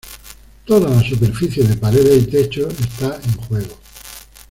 Toda la superficie de paredes y techo esta en juego.